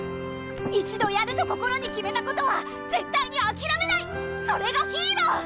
一度やると心に決めたことは絶対にあきらめないそれがヒーロー！